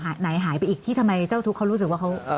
ไหนหายไปอีกที่ทำไมเจ้าทุกข์เขารู้สึกว่าเขา